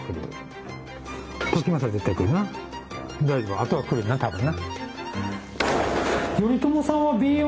あとは来るな多分な。